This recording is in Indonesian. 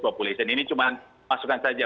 population ini cuma masukan saja